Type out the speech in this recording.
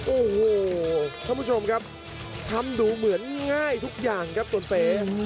โอ้โหท่านผู้ชมครับทำดูเหมือนง่ายทุกอย่างครับตนเป๋